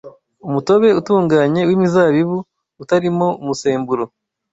Umutobe utunganye w’imizabibu, utarimo umusemburo